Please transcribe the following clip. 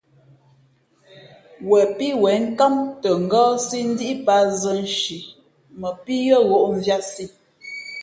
Wen pí wen nkám tα ngάάsí, ndíʼ pat zα nshi mα pǐ yʉ̄ᾱ ghoʼ mvanī.